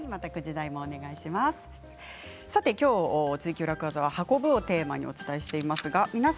今日「ツイＱ楽ワザ」は運ぶをテーマにお伝えしています。